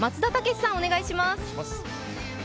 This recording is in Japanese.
松田丈志さん、お願いします。